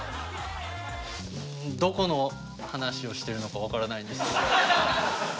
どこの話をしているのか分からないんですけど。